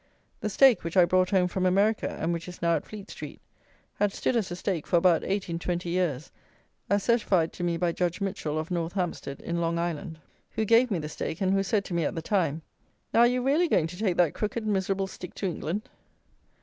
The stake which I brought home from America, and which is now at Fleet street, had stood as a stake for about eight and twenty years, as certified to me by Judge Mitchell, of North Hampstead in Long Island, who gave me the stake, and who said to me at the time, "Now are you really going to take that crooked miserable stick to England!"